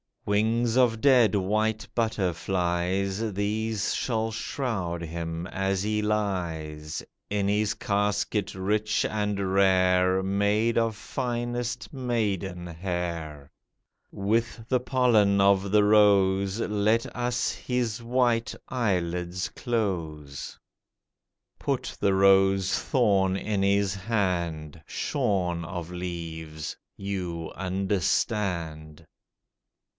Wings of dead white butterflies, These shall shroud him, as he lies In his casket rich and rare, Made of finest maiden hair. With the pollen of the rose Let us his white eyelids close. Put the rose thorn in his hand, Shorn of leaves—you understand.